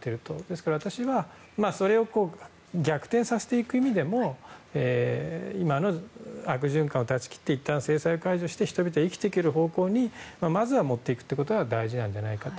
ですから私はそれを逆転させていく意味でも今の悪循環を断ち切っていったん制裁を解除して人々が生きていける方向にまずはもっていくことが大事なんじゃないかなと。